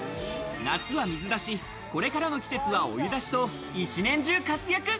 夏は水出し、これからの季節はお湯出しと一年中活躍。